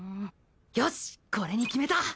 よしこれに決めた！